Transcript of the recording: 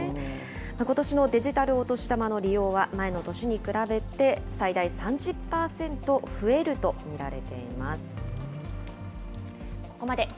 ことしのデジタルお年玉の利用は、前の年に比べて最大３０％増えると見られています。